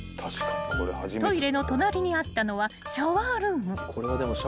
［トイレの隣にあったのはシャワールーム］